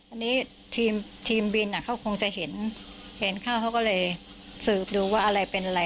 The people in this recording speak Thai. อันนี้ทีมบินเขาคงจะเห็นเห็นเข้าเขาก็เลยสืบดูว่าอะไรเป็นอะไร